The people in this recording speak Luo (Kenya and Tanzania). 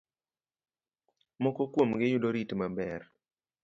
Moko kuom gi yudo rit maber.